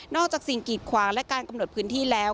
จากสิ่งกีดขวางและการกำหนดพื้นที่แล้ว